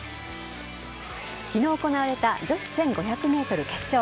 昨日行われた女子１５００ｍ決勝。